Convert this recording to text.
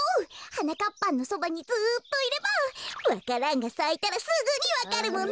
はなかっぱんのそばにずっといればわか蘭がさいたらすぐにわかるもんね。